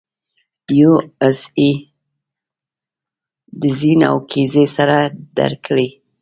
یو آس یې د زین او کیزې سره درکړی.